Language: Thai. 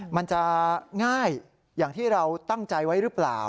มันจะง่ายอย่างที่เราตั้งใจไว้หรือเปล่า